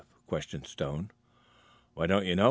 questioned Stone. "Why, don't you know?